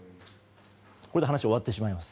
これで話は終わってしまいます。